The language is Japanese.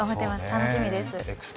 楽しみです。